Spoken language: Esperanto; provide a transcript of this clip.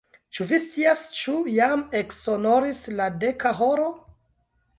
Ĉu vi scias, ĉu jam eksonoris la deka horo?